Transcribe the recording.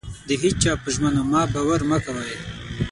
د هيچا په ژمنو مه باور مه کوئ.